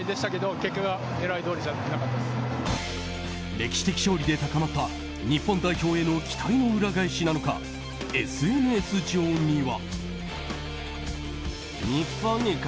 歴史的勝利で高まった日本代表への期待の裏返しなのかＳＮＳ上には。